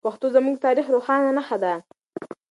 پښتو زموږ د تاریخ روښانه نښه ده.